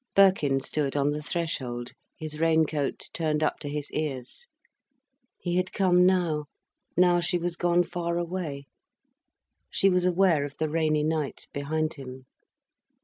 Birkin stood on the threshold, his rain coat turned up to his ears. He had come now, now she was gone far away. She was aware of the rainy night behind him.